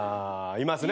いますよね